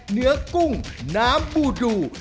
เนื้อกุ้งน้ำบูดู